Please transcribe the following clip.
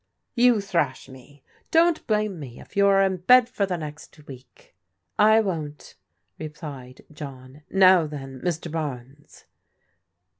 " You thrash me ? Don't blame me if you are in bed » for the next week." " I won't," replied John. " Now then, Mr. Barnes."